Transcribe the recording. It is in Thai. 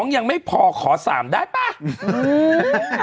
ยังไม่พอขอ๓ได้ป่ะ